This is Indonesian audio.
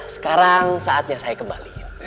sekarang saatnya saya kembali